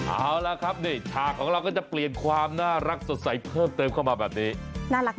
เอาละครับนี่ฉากของเราก็จะเปลี่ยนความน่ารักสดใสเพิ่มเติมเข้ามาแบบนี้น่ารัก